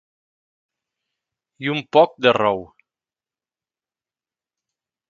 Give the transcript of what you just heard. I un poc de rou.